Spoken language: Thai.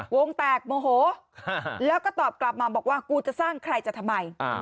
วงแตกโมโหแล้วก็ตอบกลับมาบอกว่ากูจะสร้างใครจะทำไม